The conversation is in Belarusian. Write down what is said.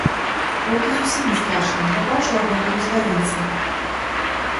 Ваўкі зусім не страшныя, я бачыў аднаго ў звярынцы.